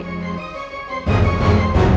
berani banget dia